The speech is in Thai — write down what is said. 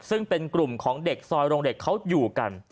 ซึ่งเป็นกลุ่มของเด็กซอยโรงเหล็กเขาอยู่กัน